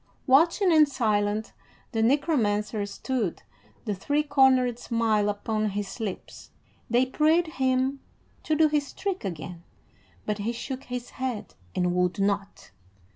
Watching and silent the Necromancer stood, the three cornered smile upon his lips. They prayed him to do his trick again, but he shook his head and would not.